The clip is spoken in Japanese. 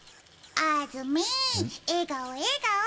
あーずーみー、笑顔、笑顔。